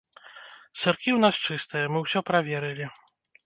Сыркі ў нас чыстыя, мы ўсё праверылі.